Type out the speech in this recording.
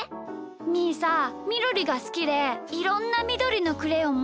みーさみどりがすきでいろんなみどりのクレヨンもってるんだ。